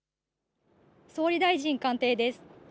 総理大臣官邸です。